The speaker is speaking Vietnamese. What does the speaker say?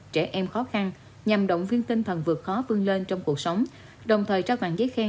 trẻ em khó khăn nhằm động viên tinh thần vượt khó vươn lên trong cuộc sống đồng thời trao tặng giấy khen